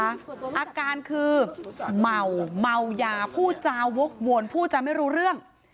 อาการคือเมาเมายาพูดจาวกวนผู้จำไม่รู้เรื่อง